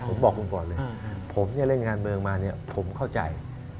ผมบอกคุณก่อนเลยผมเล่นงานเมืองมาผมเข้าใจ